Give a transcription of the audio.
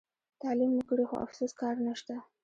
تعلیم مو کړي خو افسوس کار نشته.